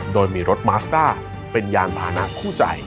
โดยมีรถมาสต้าเป็นย่านร้านอาหารคู่ใจ